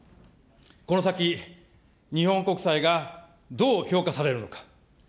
この先、日本国債がどう評価されるのか。